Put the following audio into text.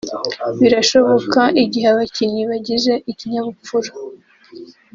birashoboka igihe abakinnyi bagize ikinyabupfura